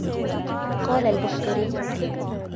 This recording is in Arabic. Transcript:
قَالَ الْبُحْتُرِيُّ